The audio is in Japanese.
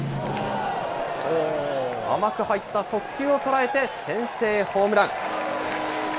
甘く入った速球を捉えて先制ホームラン。